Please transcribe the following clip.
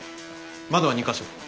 窓は２か所。